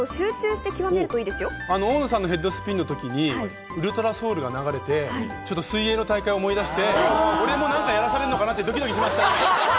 大野さんのヘッドスピンの時に『ｕｌｔｒａｓｏｕｌ』が流れて、水泳の大会を思い出して、俺もなんかやらされるのかなと思ってドキドキしました。